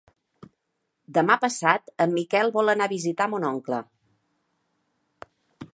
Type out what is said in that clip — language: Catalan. Demà passat en Miquel vol anar a visitar mon oncle.